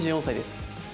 ２４歳です。